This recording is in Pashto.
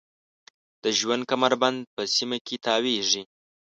د ژوند کمربند په سیمه کې تاویږي.